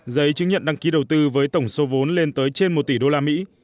giấy chứng nhận đăng ký đầu tư với tổng số vốn lên tới trên một tỷ đô la mỹ